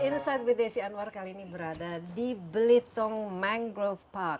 masyarakat yang diperkenalkan oleh masyarakat yang berada di belitung mangrove park